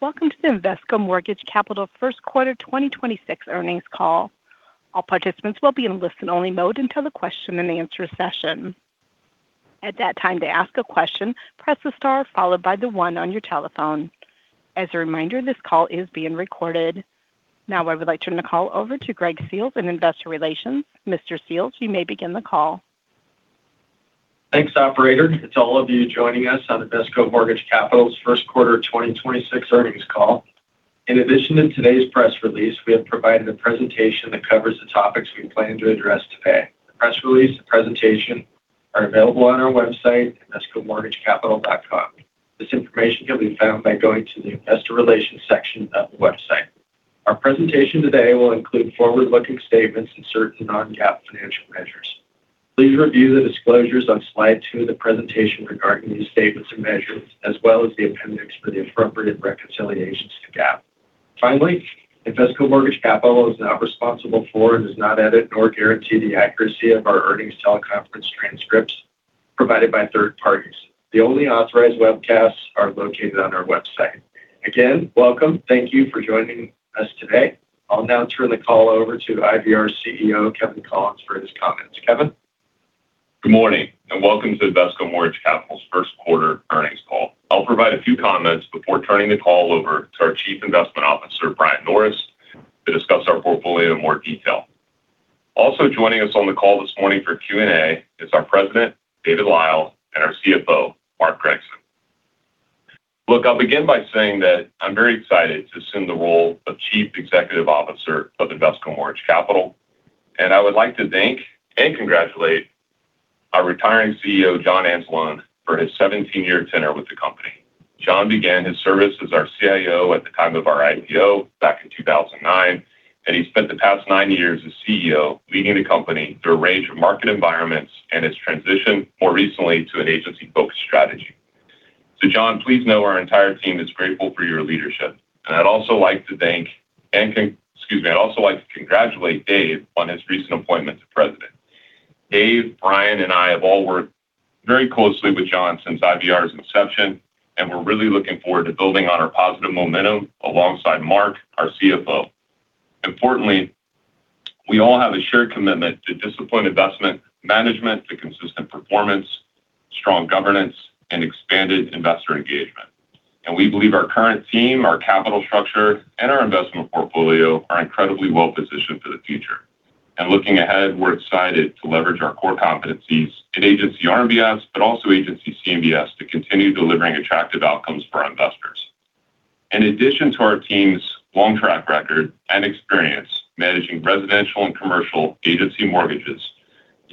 Welcome to the Invesco Mortgage Capital first quarter 2026 earnings call. All participants will be in an only listen mode until the question-and-answer session. At that time to ask a question, press a star followed by the one on your telephone. As a reminder, this call is being recorded. Now I would like to turn the call over to Greg Seals in Investor Relations. Mr. Seals, you may begin the call. Thanks, operator, to all of you joining us on Invesco Mortgage Capital's first quarter 2026 earnings call. In addition to today's press release, we have provided a presentation that covers the topics we plan to address today. The press release and presentation are available on our website, invescomortgagecapital.com. This information can be found by going to the investor relations section of the website. Our presentation today will include forward-looking statements and certain non-GAAP financial measures. Please review the disclosures on slide two of the presentation regarding these statements and measures, as well as the appendix for the incorporated reconciliations to GAAP. Finally, Invesco Mortgage Capital is not responsible for and does not edit nor guarantee the accuracy of our earnings teleconference transcripts provided by third parties. The only authorized webcasts are located on our website. Again, welcome. Thank you for joining us today. I'll now turn the call over to IVR's CEO, Kevin Collins, for his comments. Kevin? Good morning, and welcome to Invesco Mortgage Capital's first quarter earnings call. I'll provide a few comments before turning the call over to our Chief Investment Officer, Brian Norris, to discuss our portfolio in more detail. Also joining us on the call this morning for Q&A is our President, David Lyle, and our CFO, Mark Gregson. Look, I'll begin by saying that I'm very excited to assume the role of Chief Executive Officer of Invesco Mortgage Capital, and I would like to thank and congratulate our retiring CEO, John Anzalone, for his 17-year tenure with the company. John began his service as our CIO at the time of our IPO back in 2009. He spent the past nine years as CEO leading the company through a range of market environments and its transition more recently to an agency-focused strategy. John, please know our entire team is grateful for your leadership, and I'd also like to thank and excuse me, I'd also like to congratulate Dave on his recent appointment to President. Dave, Brian, and I have all worked very closely with John since IVR's inception, and we're really looking forward to building on our positive momentum alongside Mark, our CFO. Importantly, we all have a shared commitment to disciplined investment management, to consistent performance, strong governance, and expanded investor engagement. We believe our current team, our capital structure, and our investment portfolio are incredibly well-positioned for the future. Looking ahead, we're excited to leverage our core competencies in Agency RMBS, but also Agency CMBS to continue delivering attractive outcomes for our investors. In addition to our team's long track record and experience managing residential and commercial agency mortgages,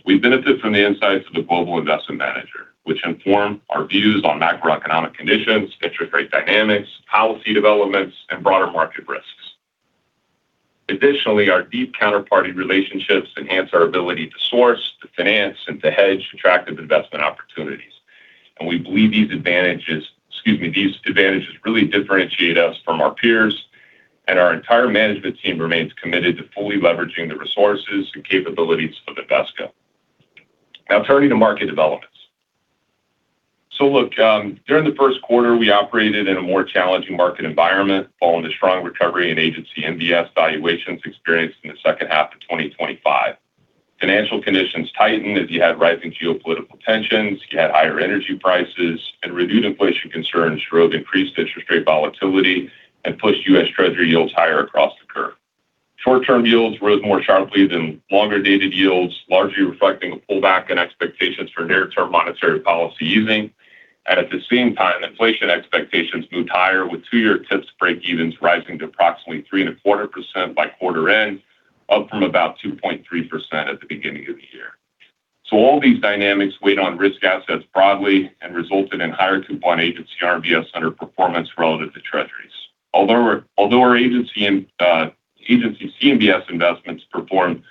we benefit from the insights of the global investment manager, which inform our views on macroeconomic conditions, interest rate dynamics, policy developments, and broader market risks. Additionally, our deep counterparty relationships enhance our ability to source, to finance, and to hedge attractive investment opportunities. We believe these advantages, excuse me, these advantages really differentiate us from our peers, and our entire management team remains committed to fully leveraging the resources and capabilities of Invesco. Turning to market developments. Look, during the first quarter, we operated in a more challenging market environment following the strong recovery in Agency MBS valuations experienced in the second half of 2025. Financial conditions tightened as you had rising geopolitical tensions, you had higher energy prices, and renewed inflation concerns drove increased interest rate volatility and pushed U.S. Treasury yields higher across the curve. Short-term yields rose more sharply than longer-dated yields, largely reflecting a pullback in expectations for near-term monetary policy easing. At the same time, inflation expectations moved higher with two-year TIPS breakevens rising to approximately 3.25% by quarter end, up from about 2.3% at the beginning of the year. All these dynamics weighed on risk assets broadly and resulted in higher coupon Agency RMBS underperformance relative to Treasuries. Although our Agency MBS and Agency CMBS investments performed,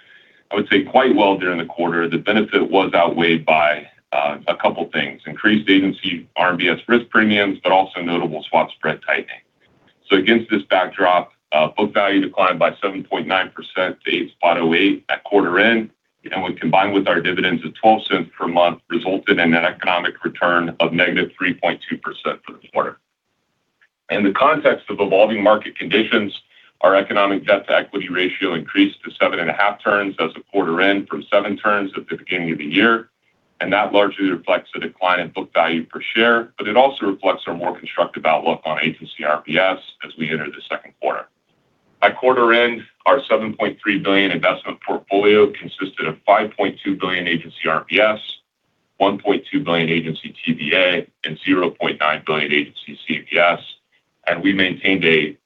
I would say quite well during the quarter, the benefit was outweighed by a couple things, increased Agency RMBS risk premiums, but also notable swap spread tightening. Against this backdrop, book value declined by 7.9% to 8.08% at quarter end. When combined with our dividends of $0.12 per month, resulted in an economic return of -3.2% for the quarter. In the context of evolving market conditions, our economic debt-to-equity ratio increased to 7.5x turns as of quarter end from 7x turns at the beginning of the year. That largely reflects the decline in book value per share. It also reflects our more constructive outlook on Agency RMBS as we enter the second quarter. At quarter end, our $7.3 billion investment portfolio consisted of $5.2 billion Agency RMBS, $1.2 billion Agency TBA, and $0.9 billion Agency CMBS, and we maintained a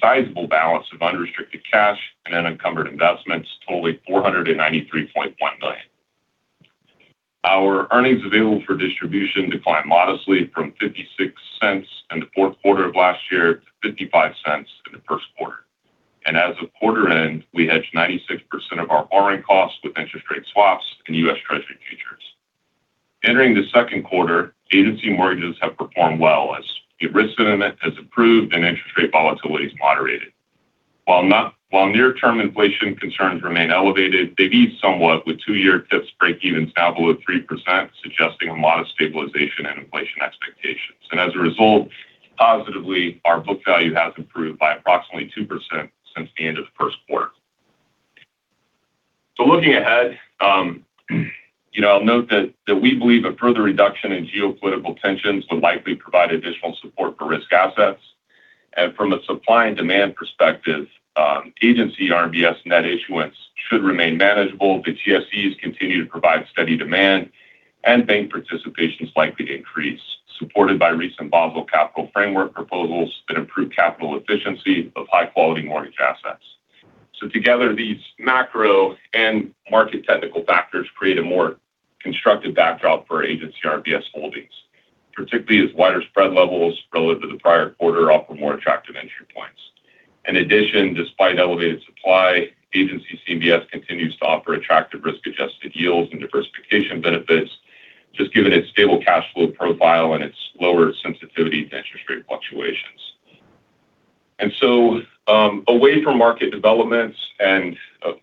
sizable balance of unrestricted cash and unencumbered investments totaling $493.1 million. Our earnings available for distribution declined modestly from $0.56 in the fourth quarter of last year to $0.55 in the first quarter. As of quarter end, we hedged 96% of our borrowing costs with interest rate swaps and U.S. Treasury futures. Entering the second quarter, Agency mortgages have performed well as the risk sentiment has improved and interest rate volatility has moderated. Near-term inflation concerns remain elevated, they've eased somewhat with two-year TIPS breakevens now below 3%, suggesting a lot of stabilization and inflation expectations. As a result, positively, our book value has improved by approximately 2% since the end of the first quarter. Looking ahead, you know, I'll note that we believe a further reduction in geopolitical tensions would likely provide additional support for risk assets. From a supply and demand perspective, Agency RMBS net issuance should remain manageable. The GSEs continue to provide steady demand, and bank participation is likely to increase, supported by recent Basel capital framework proposals that improve capital efficiency of high-quality mortgage assets. Together, these macro and market technical factors create a more constructive backdrop for Agency RMBS holdings, particularly as wider spread levels relative to the prior quarter offer more attractive entry points. In addition, despite elevated supply, Agency CMBS continues to offer attractive risk-adjusted yields and diversification benefits, just given its stable cash flow profile and its lower sensitivity to interest rate fluctuations. Away from market developments and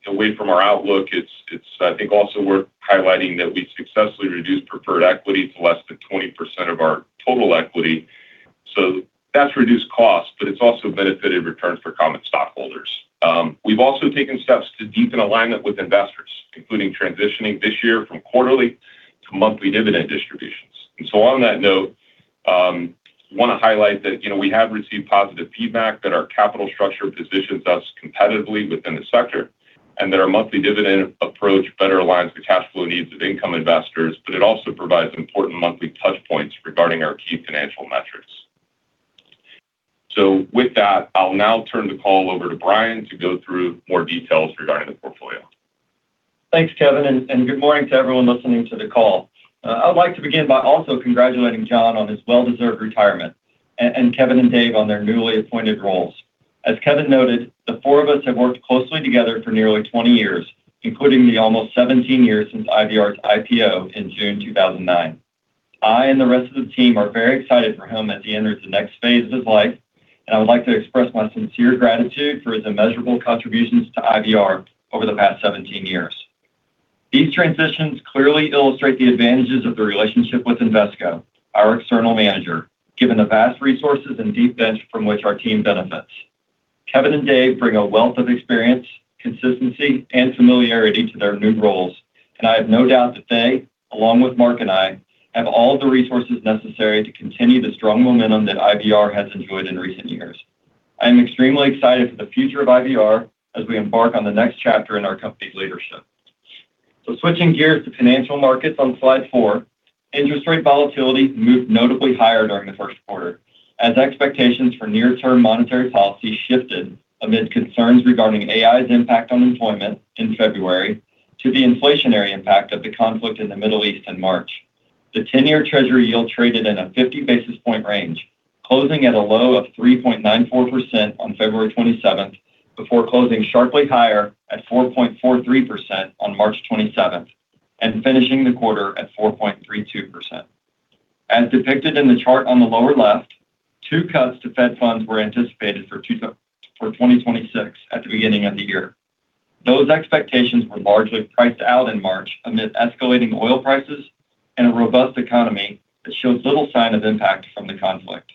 away from our outlook, it's I think also worth highlighting that we successfully reduced preferred equity to less than 20% of our total equity. That's reduced costs, but it's also benefited returns for common stockholders. We've also taken steps to deepen alignment with investors, including transitioning this year from quarterly to monthly dividend distributions. On that note, wanna highlight that, you know, we have received positive feedback that our capital structure positions us competitively within the sector, and that our monthly dividend approach better aligns the cash flow needs of income investors, but it also provides important monthly touch points regarding our key financial metrics. With that, I'll now turn the call over to Brian to go through more details regarding the portfolio. Thanks, Kevin. Good morning to everyone listening to the call. I'd like to begin by also congratulating John on his well-deserved retirement, and Kevin and Dave on their newly appointed roles. As Kevin noted, the four of us have worked closely together for nearly 20 years, including the almost 17 years since IVR's IPO in June 2009. I and the rest of the team are very excited for him as he enters the next phase of his life, and I would like to express my sincere gratitude for his immeasurable contributions to IVR over the past 17 years. These transitions clearly illustrate the advantages of the relationship with Invesco, our external manager, given the vast resources and deep bench from which our team benefits. Kevin and Dave bring a wealth of experience, consistency, and familiarity to their new roles, and I have no doubt that they, along with Mark and I, have all the resources necessary to continue the strong momentum that IVR has enjoyed in recent years. I am extremely excited for the future of IVR as we embark on the next chapter in our company's leadership. Switching gears to financial markets on slide four, interest rate volatility moved notably higher during the first quarter, as expectations for near-term monetary policy shifted amid concerns regarding AI's impact on employment in February to the inflationary impact of the conflict in the Middle East in March. The 10-year Treasury yield traded in a 50 basis point range, closing at a low of 3.94% on February 27th, before closing sharply higher at 4.43% on March 27th and finishing the quarter at 4.32%. As depicted in the chart on the lower left, two cuts to Fed funds were anticipated for 2026 at the beginning of the year. Those expectations were largely priced out in March amid escalating oil prices and a robust economy that showed little sign of impact from the conflict.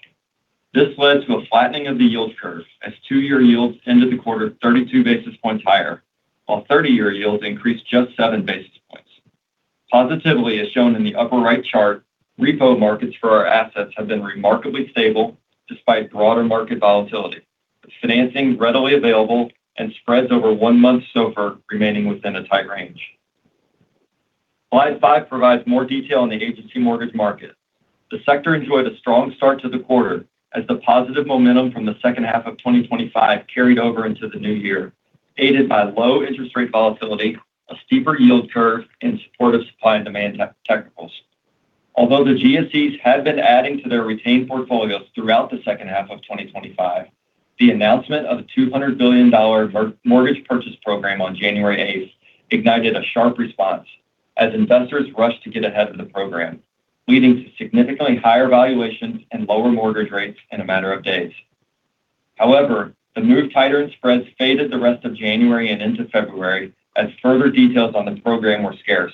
This led to a flattening of the yield curve as two-year yields ended the quarter 32 basis points higher, while 30-year yields increased just 7 basis points. Positively, as shown in the upper-right chart, repo markets for our assets have been remarkably stable despite broader market volatility, with financing readily available and spreads over one month SOFR remaining within a tight range. Slide five provides more detail on the agency mortgage market. The sector enjoyed a strong start to the quarter as the positive momentum from the second half of 2025 carried over into the new year, aided by low interest rate volatility, a steeper yield curve in support of supply and demand technicals. Although the GSEs had been adding to their retained portfolios throughout the second half of 2025, the announcement of a $200 billion mortgage purchase program on January 8th ignited a sharp response as investors rushed to get ahead of the program, leading to significantly higher valuations and lower mortgage rates in a matter of days. However, the move tighter in spreads faded the rest of January and into February as further details on the program were scarce.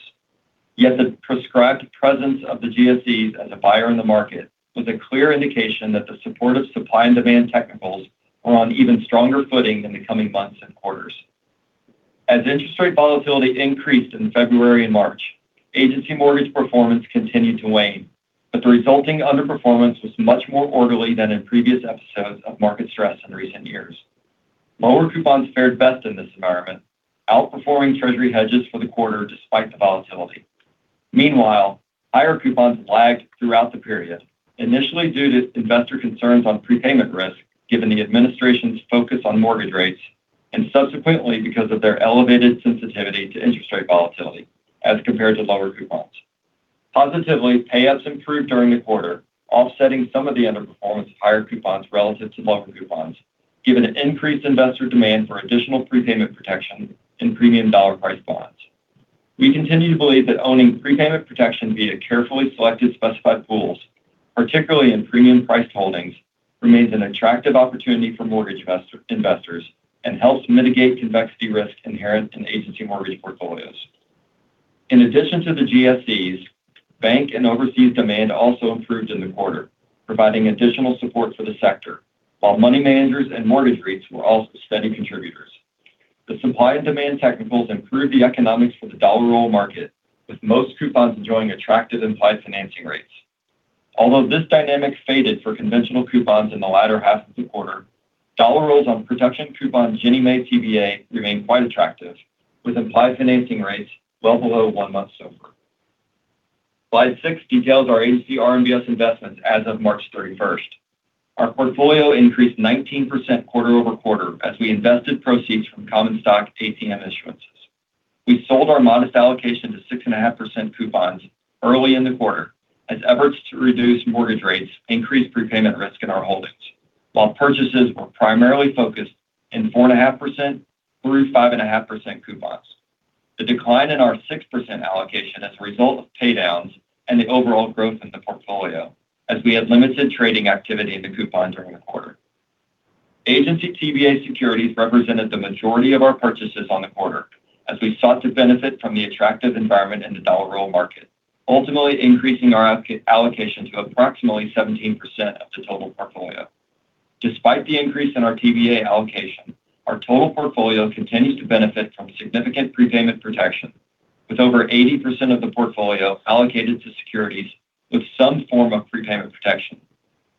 Yet the prescribed presence of the GSE as a buyer in the market was a clear indication that the supportive supply and demand technicals were on even stronger footing in the coming months and quarters. As interest rate volatility increased in February and March, agency mortgage performance continued to wane, but the resulting underperformance was much more orderly than in previous episodes of market stress in recent years. Lower coupons fared best in this environment, outperforming treasury hedges for the quarter despite the volatility. Meanwhile, higher coupons lagged throughout the period, initially due to investor concerns on prepayment risk given the administration's focus on mortgage rates, and subsequently because of their elevated sensitivity to interest rate volatility as compared to lower coupons. Positively, payups improved during the quarter, offsetting some of the underperformance of higher coupons relative to lower coupons, given increased investor demand for additional prepayment protection in premium dollar price bonds. We continue to believe that owning prepayment protection via carefully selected specified pools, particularly in premium-priced holdings, remains an attractive opportunity for mortgage investors and helps mitigate convexity risk inherent in agency mortgage portfolios. In addition to the GSEs, bank and overseas demand also improved in the quarter, providing additional support for the sector. While money managers and mortgage REITs were also steady contributors. The supply and demand technicals improved the economics for the dollar roll market, with most coupons enjoying attractive implied financing rates. Although this dynamic faded for conventional coupons in the latter half of the quarter, dollar rolls on production coupon Ginnie Mae TBA remained quite attractive, with implied financing rates well below one month SOFR. Slide six details our Agency RMBS investments as of March 31st. Our portfolio increased 19% quarter-over-quarter as we invested proceeds from common stock ATM issuances. We sold our modest allocation to 6.5% coupons early in the quarter as efforts to reduce mortgage rates increased prepayment risk in our holdings. While purchases were primarily focused in 4.5% through 5.5% coupons. The decline in our 6% allocation as a result of pay downs and the overall growth in the portfolio as we had limited trading activity in the coupon during the quarter. Agency TBA securities represented the majority of our purchases on the quarter as we sought to benefit from the attractive environment in the dollar roll market, ultimately increasing our allocation to approximately 17% of the total portfolio. Despite the increase in our TBA allocation, our total portfolio continues to benefit from significant prepayment protection, with over 80% of the portfolio allocated to securities with some form of prepayment protection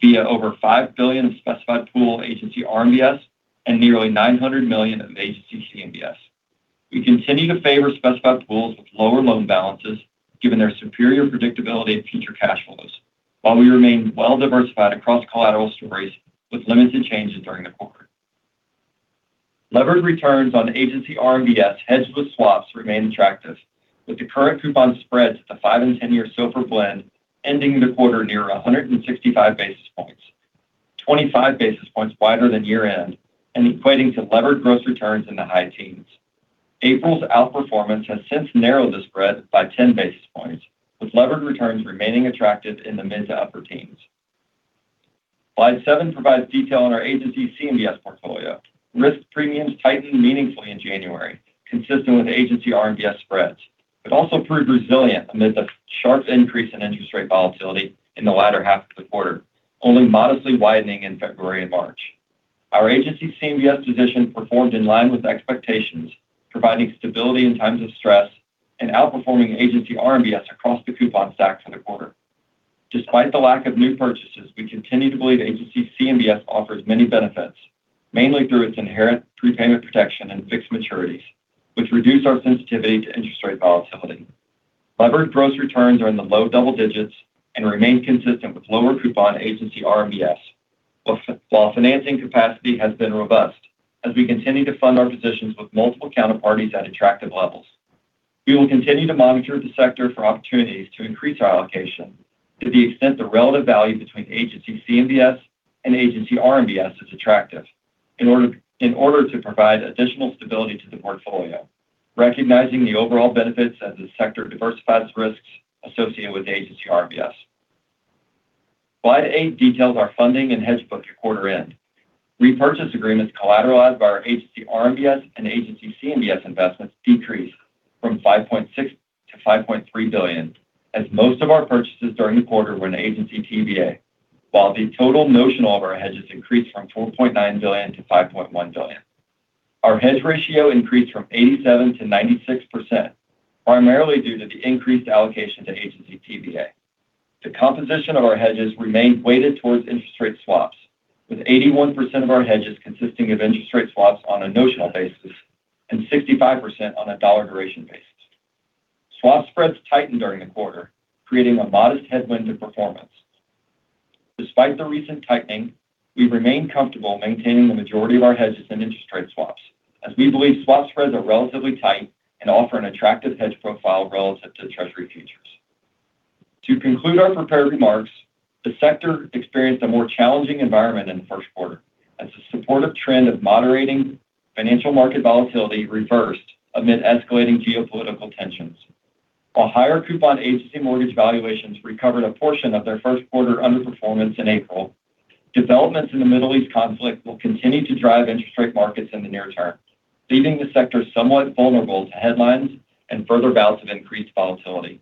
via over $5 billion specified pool Agency RMBS and nearly $900 million of Agency CMBS. We continue to favor specified pools with lower loan balances given their superior predictability of future cash flows, while we remain well-diversified across collateral stories with limited changes during the quarter. Leveraged returns on Agency RMBS hedged with swaps remain attractive, with the current coupon spreads at the five and 10-year SOFR blend ending the quarter near 165 basis points, 25 basis points wider than year-end, and equating to levered gross returns in the high teens. April's outperformance has since narrowed the spread by 10 basis points, with levered returns remaining attractive in the mid to upper teens. Slide seven provides detail on our Agency CMBS portfolio. Risk premiums tightened meaningfully in January, consistent with Agency RMBS spreads, but also proved resilient amid the sharp increase in interest rate volatility in the latter half of the quarter, only modestly widening in February and March. Our Agency CMBS position performed in line with expectations, providing stability in times of stress and outperforming Agency RMBS across the coupon stack for the quarter. Despite the lack of new purchases, we continue to believe Agency CMBS offers many benefits, mainly through its inherent prepayment protection and fixed maturities, which reduce our sensitivity to interest rate volatility. Levered gross returns are in the low double digits and remain consistent with lower coupon Agency RMBS. While financing capacity has been robust as we continue to fund our positions with multiple counterparties at attractive levels. We will continue to monitor the sector for opportunities to increase our allocation to the extent the relative value between Agency CMBS and Agency RMBS is attractive in order to provide additional stability to the portfolio, recognizing the overall benefits as the sector diversifies risks associated with Agency RMBS. Slide eight details our funding and hedge book through quarter end. Repurchase agreements collateralized by our Agency RMBS and Agency CMBS investments decreased from $5.6 billion-$5.3 billion, as most of our purchases during the quarter were in Agency TBA. While the total notion of our hedges increased from $4.9 billion-$5.1 billion. Our hedge ratio increased from 87% to 96%, primarily due to the increased allocation to Agency TBA. The composition of our hedges remained weighted towards interest rate swaps, with 81% of our hedges consisting of interest rate swaps on a notional basis and 65% on a dollar duration basis. Swap spreads tightened during the quarter, creating a modest headwind in performance. Despite the recent tightening, we remain comfortable maintaining the majority of our hedges in interest rate swaps, as we believe swap spreads are relatively tight and offer an attractive hedge profile relative to Treasury futures. To conclude our prepared remarks, the sector experienced a more challenging environment in the first quarter as the supportive trend of moderating financial market volatility reversed amid escalating geopolitical tensions. While higher coupon agency mortgage valuations recovered a portion of their first quarter underperformance in April, developments in the Middle East conflict will continue to drive interest rate markets in the near term, leaving the sector somewhat vulnerable to headlines and further bouts of increased volatility.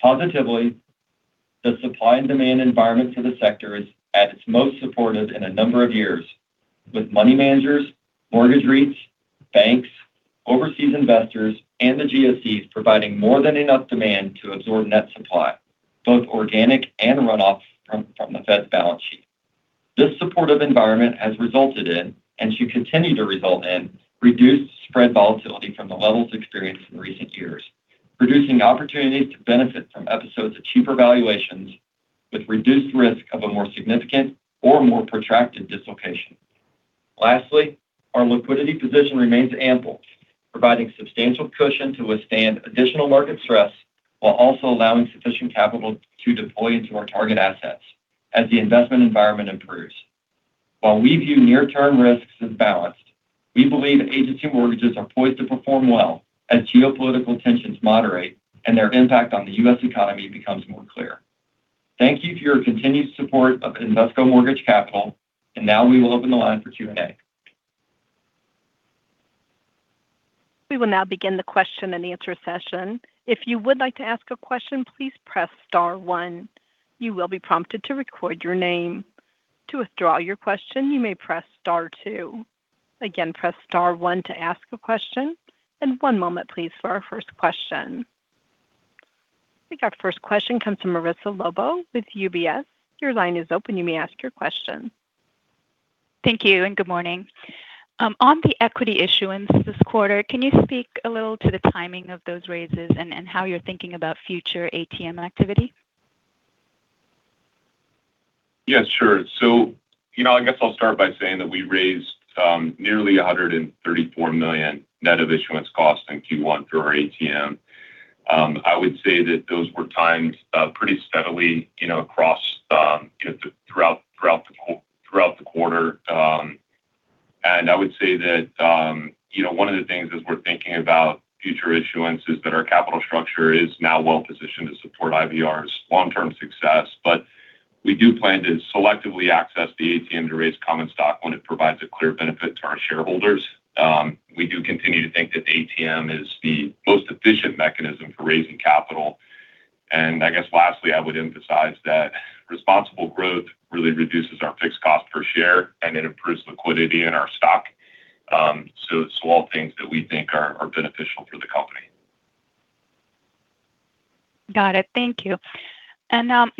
Positively, the supply and demand environment for the sector is at its most supportive in a number of years, with money managers, mortgage REITs, banks, overseas investors, and the GSEs providing more than enough demand to absorb net supply, both organic and runoff from the Fed's balance sheet. This supportive environment has resulted in, and should continue to result in, reduced spread volatility from the levels experienced in recent years, producing opportunities to benefit from episodes of cheaper valuations with reduced risk of a more significant or more protracted dislocation. Lastly, our liquidity position remains ample, providing substantial cushion to withstand additional market stress while also allowing sufficient capital to deploy into our target assets as the investment environment improves. While we view near-term risks as balanced, we believe agency mortgages are poised to perform well as geopolitical tensions moderate and their impact on the U.S. economy becomes more clear. Thank you for your continued support of Invesco Mortgage Capital, and now we will open the line for Q&A. I think our first question comes from Ameeta Lobo Nelson with UBS. Your line is open, you may ask your question. Thank you and good morning. On the equity issuance this quarter, can you speak a little to the timing of those raises and how you're thinking about future ATM activity? Yeah, sure. You know, I guess I'll start by saying that we raised, nearly $134 million net of issuance cost in Q1 through our ATM. I would say that those were timed, pretty steadily, you know, across, you know, throughout the quarter. I would say that, you know, one of the things as we're thinking about future issuance is that our capital structure is now well-positioned to support IVR's long-term success. We do plan to selectively access the ATM to raise common stock when it provides a clear benefit to our shareholders. We do continue to think that ATM is the most efficient mechanism for raising capital. I guess lastly, I would emphasize that responsible growth really reduces our fixed cost per share and it improves liquidity in our stock. It's small things that we think are beneficial for the company. Got it. Thank you.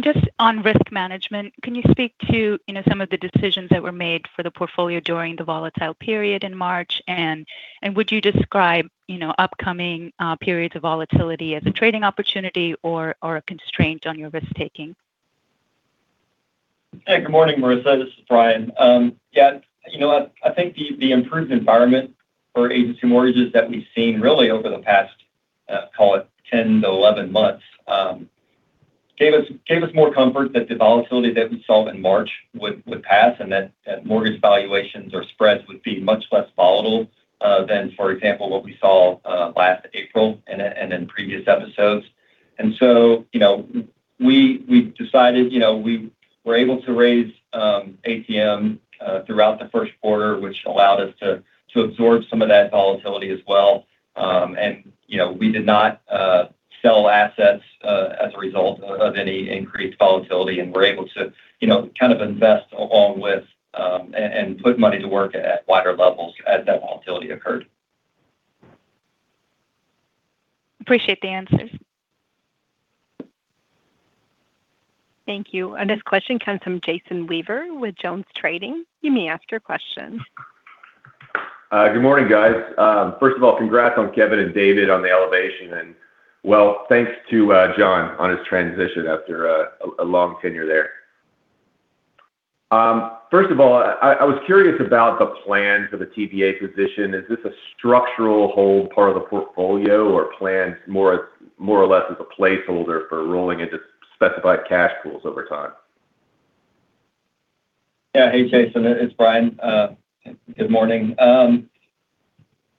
Just on risk management, can you speak to, you know, some of the decisions that were made for the portfolio during the volatile period in March? Would you describe, you know, upcoming periods of volatility as a trading opportunity or a constraint on your risk-taking? Hey, good morning, Ameeta Lobo Nelson. This is Brian Norris. Yeah, you know what? I think the improved environment for agency mortgages that we've seen really over the past, call it 10-11 months, gave us more comfort that the volatility that we saw in March would pass and that mortgage valuations or spreads would be much less volatile than, for example, what we saw last April and in previous episodes. you know, we decided, you know, we were able to raise ATM throughout the first quarter, which allowed us to absorb some of that volatility as well. You know, we did not sell assets as a result of any increased volatility, and were able to, you know, kind of invest along with, and put money to work at wider levels as that volatility occurred. Appreciate the answers. Thank you. Our next question comes from Jason Weaver with Jones Trading. You may ask your question. Good morning, guys. First of all, congrats on Kevin and David Lyle on the elevation, and well, thanks to John Anzalone on his transition after a long tenure there. First of all, I was curious about the plans of a TBA position. Is this a structural hold part of the portfolio or plans more or less as a placeholder for rolling into specified cash pools over time? Yeah. Hey, Jason, it's Brian. Good morning.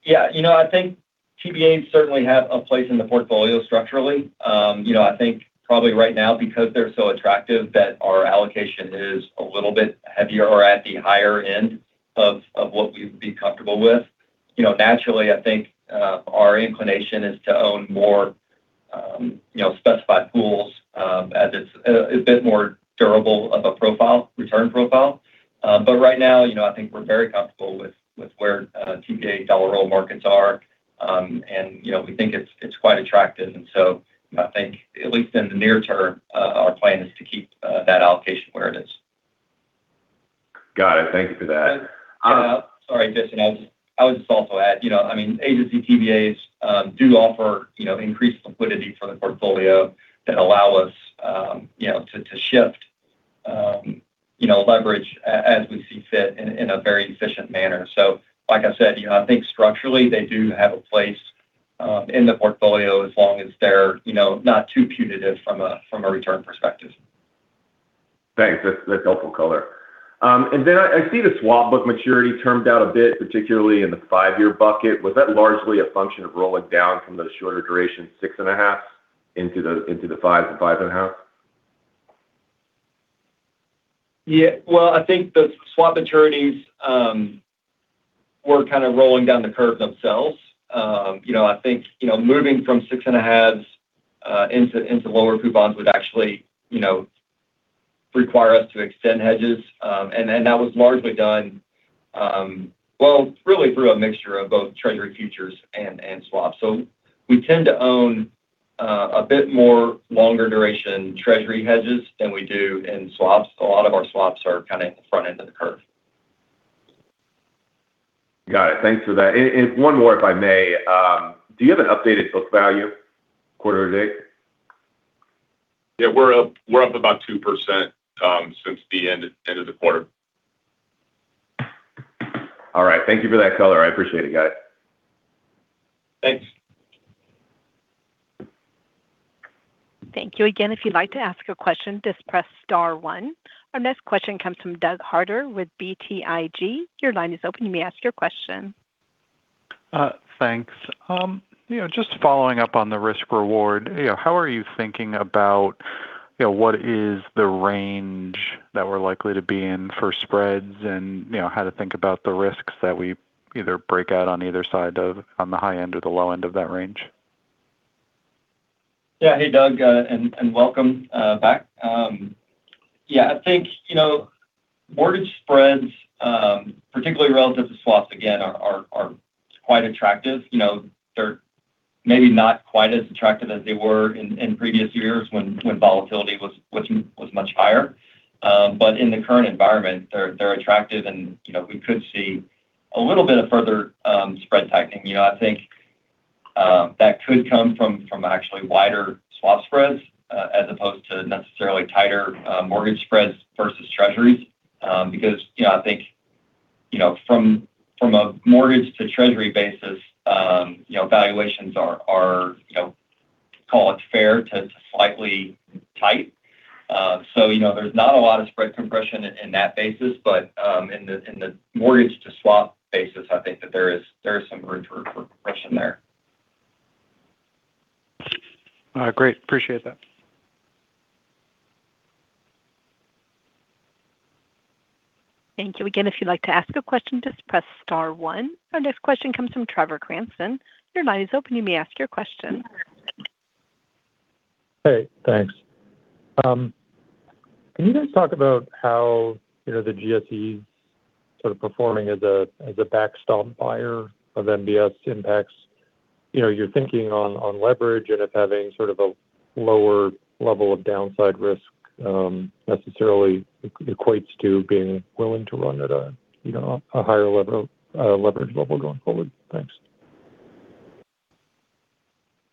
Yeah, you know, I think TBAs certainly have a place in the portfolio structurally. You know, I think probably right now because they're so attractive that our allocation is a little bit heavier or at the higher end of what we'd be comfortable with. You know, naturally, I think, our inclination is to own more, you know, specified pools, as it's a bit more durable of a profile, return profile. Right now, you know, I think we're very comfortable with where TBA dollar roll markets are. You know, we think it's quite attractive. I think at least in the near term, our plan is to keep that allocation where it is. Got it. Thank you for that. Sorry, Jason, I would just also add, you know, I mean, Agency TBAs do offer, you know, increased liquidity for the portfolio that allow us, you know, to shift, you know, leverage as we see fit in a very efficient manner. Like I said, you know, I think structurally they do have a place in the portfolio as long as they're, you know, not too punitive from a, from a return perspective. Thanks. That's helpful color. I see the swap book maturity termed out a bit, particularly in the five-year bucket. Was that largely a function of rolling down from those shorter duration 6.5x into the 5x and 5.5x? Yeah. Well, I think the swap maturities were kind of rolling down the curve themselves. You know, I think, you know, moving from 6.5x Into lower coupons would actually, you know, require us to extend hedges. That was largely done, well, really through a mixture of both Treasury futures and swaps. We tend to own a bit more longer duration Treasury hedges than we do in swaps. A lot of our swaps are kind of at the front end of the curve. Got it. Thanks for that. One more, if I may. Do you have an updated book value quarter to date? We're up about 2% since the end of the quarter. All right. Thank you for that color. I appreciate it, guys. Thank you again. If you'd like to ask a question, just press star one. Our next question comes from Doug Harter with BTIG. Your line is open. You may ask your question. Thanks. you know, just following up on the risk reward, you know, how are you thinking about, you know, what is the range that we're likely to be in for spreads and, you know, how to think about the risks that we either break out on either side of, on the high end or the low end of that range? Yeah. Hey, Doug. And welcome back. Yeah, I think, you know, mortgage spreads, particularly relative to swaps, again, are quite attractive. You know, they're maybe not quite as attractive as they were in previous years when volatility was much higher. In the current environment, they're attractive and, you know, we could see a little bit of further spread tightening. You know, I think that could come from actually wider swap spreads, as opposed to necessarily tighter mortgage spreads versus treasuries. Because, you know, I think, you know, from a mortgage to treasury basis, you know, valuations are, you know, call it fair to slightly tight. You know, there's not a lot of spread compression in that basis, but in the mortgage to swap basis, I think that there is some room for compression there. Great. Appreciate that. Thank you. Again, if you'd like to ask a question, just press star one. Our next question comes from Trevor Cranston. Your line is open you may ask your question. Hey, thanks. Can you guys talk about how, you know, the GSE sort of performing as a backstop buyer of MBS impacts, you know, your thinking on leverage and if having sort of a lower level of downside risk necessarily equates to being willing to run at a, you know, a higher level of leverage level going forward? Thanks.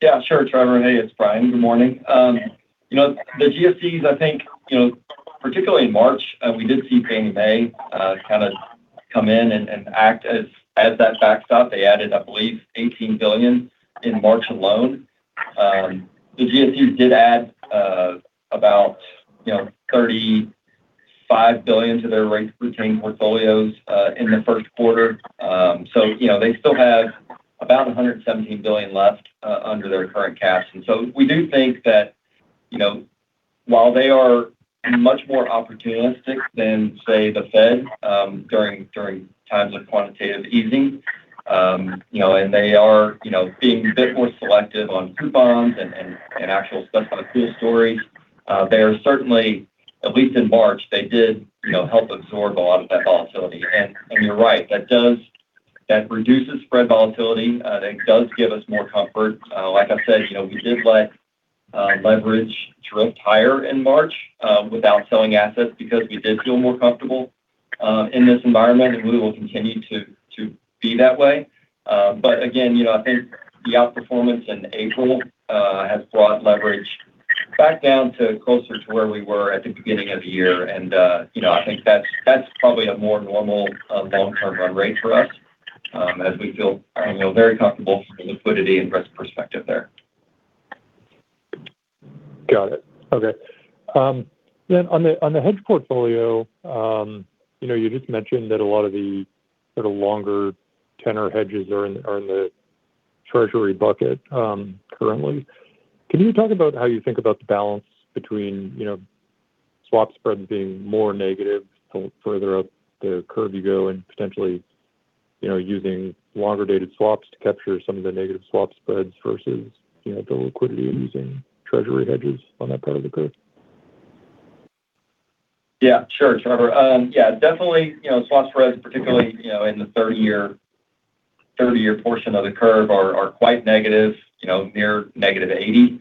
Yeah, sure, Trevor. Hey, it's Brian. Good morning. You know, the GSEs, I think, you know, particularly in March, we did see Fannie Mae kind of come in and act as that backstop. They added, I believe, $18 billion in March alone. The GSEs did add about, you know, $35 billion to their rate retention portfolios in the first quarter. You know, they still have about $117 billion left under their current caps. We do think that, you know, while they are much more opportunistic than, say, the Fed, during times of quantitative easing, you know, and they are, you know, being a bit more selective on coupons and actual specified pool stories, they are certainly, at least in March, they did, you know, help absorb a lot of that volatility. You're right, that reduces spread volatility. That does give us more comfort. Like I said, you know, we did let leverage drift higher in March without selling assets because we did feel more comfortable in this environment, and we will continue to be that way. Again, you know, I think the outperformance in April has brought leverage back down to closer to where we were at the beginning of the year. You know, I think that's probably a more normal long-term run rate for us, as we feel, you know, very comfortable from a liquidity and risk perspective there. Got it. Okay. On the, on the hedge portfolio, you know, you just mentioned that a lot of the sort of longer tenor hedges are in, are in the Treasury bucket, currently. Can you talk about how you think about the balance between, you know, swap spreads being more negative the further up the curve you go and potentially, you know, using longer-dated swaps to capture some of the negative swap spreads versus, you know, the liquidity of using Treasury hedges on that part of the curve? Yeah, sure, Trevor. Yeah, definitely, you know, swap spreads, particularly, you know, in the 30-year portion of the curve are quite negative, you know, near -80.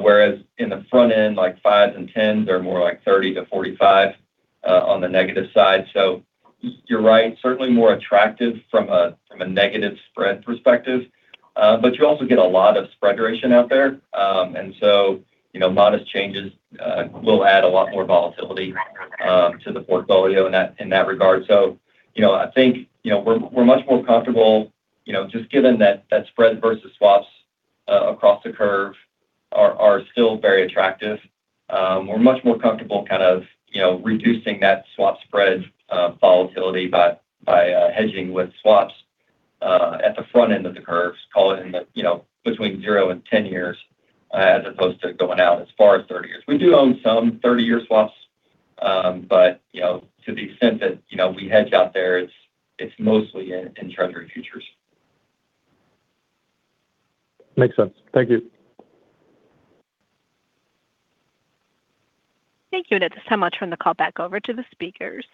Whereas in the front end, like, fives and 10s are more like 30 to 45 on the negative side. You're right, certainly more attractive from a negative spread perspective. You also get a lot of spread duration out there. You know, modest changes will add a lot more volatility to the portfolio in that, in that regard. You know, I think, you know, we're much more comfortable, you know, just given that that spread versus swaps across the curve are still very attractive, we're much more comfortable kind of, you know, reducing that swap spread volatility by hedging with swaps at the front end of the curves, call it in the, you know, between zero and 10 years as opposed to going out as far as 30 years. We do own some 30-year swaps. You know, to the extent that, you know, we hedge out there, it's mostly in Treasury futures. Makes sense. Thank you. Thank you. At this time, I'll turn the call back over to the speakers.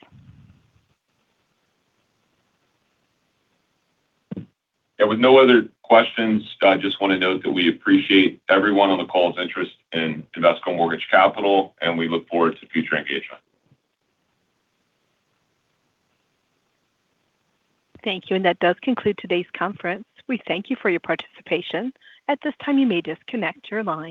With no other questions, I just want to note that we appreciate everyone on the call's interest in Invesco Mortgage Capital, and we look forward to future engagement. Thank you. That does conclude today's conference. We thank you for your participation. At this time, you may disconnect your line.